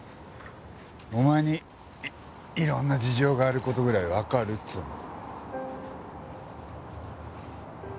お前にいろんな事情がある事ぐらいわかるっつうの。